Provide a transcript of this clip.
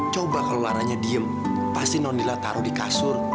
coba kalau warnanya diem pasti nondila taruh di kasur